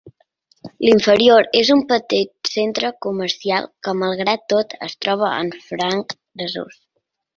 L'inferior és un petit centre comercial que malgrat tot es troba en franc dessús.